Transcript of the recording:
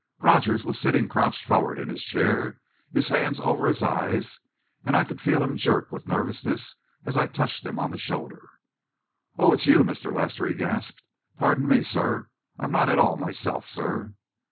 Rogers was sitting crouched forward in his chair, his hands over his eyes, and I could feel him jerk with nervousness as I touched him on the shoulder. "Oh, is it you, Mr. Lester?" he gasped. "Pardon me, sir; I'm not at all myself, sir."